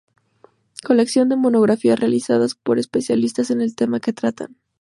Colección de monografías realizadas por especialistas en el tema que tratan.